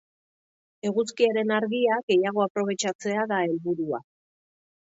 Eguzkiaren argia gehiago aprobetxatzea da helburua.